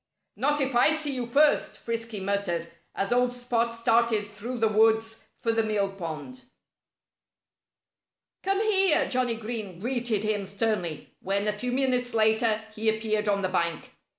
"Not if I see you first!" Frisky muttered as old Spot started through the woods for the mill pond. "Come here!" Johnnie Green greeted him sternly when, a few minutes later, he appeared on the bank.